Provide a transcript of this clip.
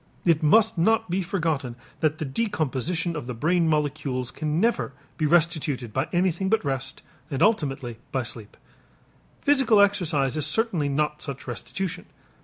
It must not be forgotten that the decomposition of the brain molecules can never be restituted by anything but rest, and ultimately by sleep. Physical exercise is certainly not such restitution.